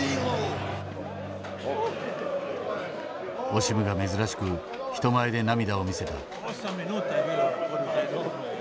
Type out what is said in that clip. オシムが珍しく人前で涙を見せた。